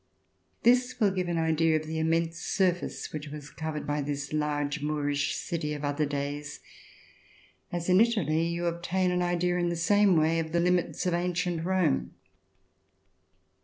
This will give an idea of the RECOLLECTIONS OF THE REVOLUTION immense surface which was covered by this large Moorish city of other days, as in Italy you obtain an idea in the same way of the limits of ancient Rome.